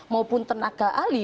maupun tenaga ali